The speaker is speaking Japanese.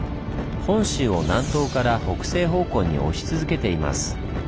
本州を南東から北西方向に押し続けています。